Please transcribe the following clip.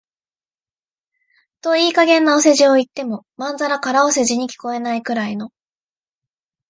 といい加減なお世辞を言っても、まんざら空お世辞に聞こえないくらいの、